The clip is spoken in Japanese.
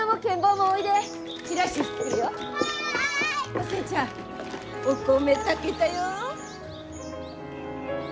お寿恵ちゃんお米炊けたよ！